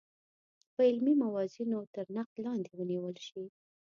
په علمي موازینو تر نقد لاندې ونیول شي.